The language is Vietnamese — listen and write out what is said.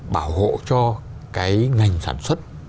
bảo hộ cho cái ngành sản xuất